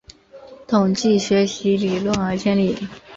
统计学习理论而建立。